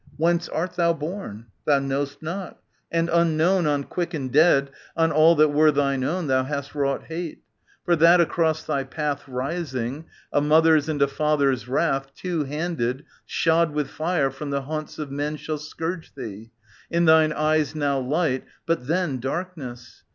Whence art thou born ? Thou know'st not ; and unknown, On quick and dead, on all that were thine own, Thou hast wrought hate. For that across thy path Rising, a mother's and a father's wrath, Two handed, shod with fire, from the haunts of men Shall scourge thee, in thine eyes now light, but then Darkness.